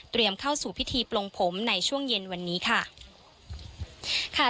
เข้าสู่พิธีปลงผมในช่วงเย็นวันนี้ค่ะ